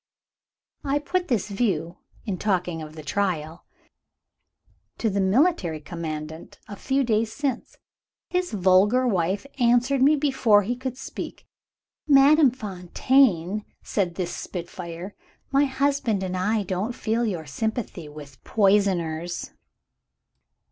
"I put this view, in talking of the trial, to the military commandant a few days since. His vulgar wife answered me before he could speak. 'Madame Fontaine,' said this spitfire, 'my husband and I don't feel your sympathy with poisoners!'